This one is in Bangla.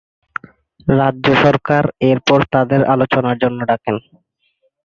রাজ্য সরকার এরপর তাদের আলোচনার জন্য ডাকেন।